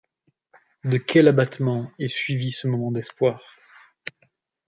De quel abattement est suivi ce moment d’espoir !